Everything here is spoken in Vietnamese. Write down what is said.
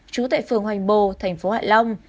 chú tại phường hoành bồ thành phố hạ long